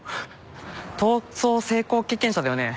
逃走成功経験者だよね？